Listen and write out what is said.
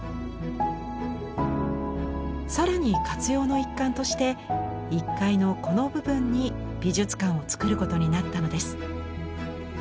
更に活用の一環として１階のこの部分に美術館を造ることになったのです。